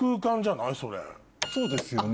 そうですよね。